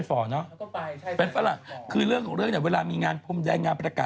ก็คอยอยู่นู่นเพิ้ลนานมันเปร่า